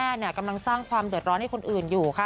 กำลังสร้างความเดือดร้อนให้คนอื่นอยู่ค่ะ